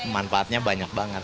manfaatnya banyak banget